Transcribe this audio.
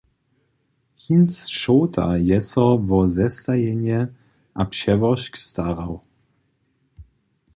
Hinc Šołta je so wo zestajenje a přełožk starał.